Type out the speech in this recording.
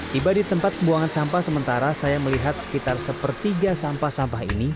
tiba di tempat pembuangan sampah sementara saya melihat sekitar sepertiga sampah sampah ini